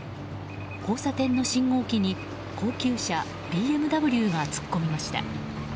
交差点の信号機に高級車ＢＭＷが突っ込みました。